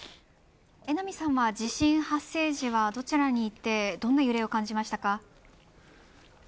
榎並さんは地震発生時どちらにいてどんな揺れを感じましたか。